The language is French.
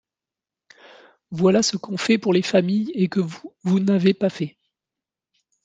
Voilà ce qu’on fait pour les familles et que vous, vous n’avez pas fait.